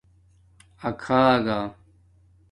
اکھاگہ